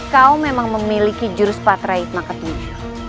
kau memang memiliki jurus patrihikma ketujuh